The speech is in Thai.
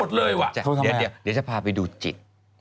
เดี๋ยวจะพาไปดูจิต